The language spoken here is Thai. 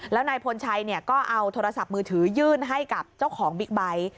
แล้วนายพลชัยก็เอาโทรศัพท์มือถือยื่นให้กับเจ้าของบิ๊กไบท์